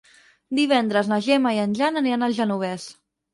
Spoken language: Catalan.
Divendres na Gemma i en Jan aniran al Genovés.